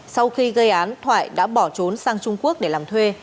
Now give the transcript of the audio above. sau khi gây án thoại đã bỏ trốn sang trung quốc để làm thuê